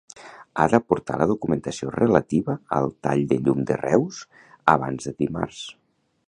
Ha d'aportar la documentació relativa al tall de llum de Reus abans de dimarts.